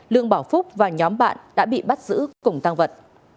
lương bảo phúc và nhóm bạn đã bị bắt giữ cùng tăng vật